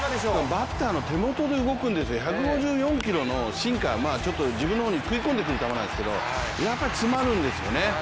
バッターの手元で動くんですよ、１５４キロのシンカー、自分の方に食い込んでくる球なんですけどやっぱり詰まるんですよね。